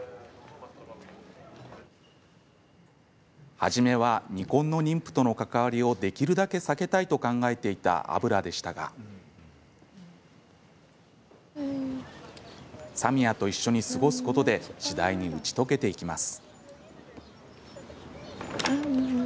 初めは未婚の妊婦との関わりをできるだけ避けたいと考えていたアブラでしたがサミアと一緒に過ごすことで次第に打ち解けていきます。